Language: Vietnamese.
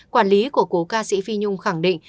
quản lý của cố ca sĩ phi nhung khẳng định